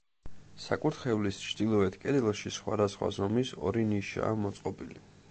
საკურთხეველის ჩრდილოეთ კედელში სხვადასხვა ზომის ორი ნიშაა მოწყობილი.